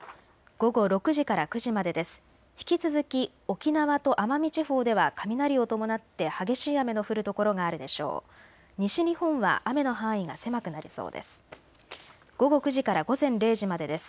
午後９時から午前０時までです。